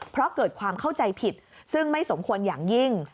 เพราะเกิดความเข้าใจผิดซึ่งไม่สมควรอย่างยิ่ง